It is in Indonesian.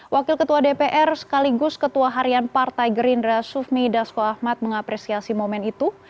wakil ketua dpr sekaligus ketua harian partai gerindra sufmi dasko ahmad mengapresiasi momen itu